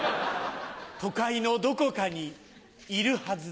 都会のどこかにいるはずだ。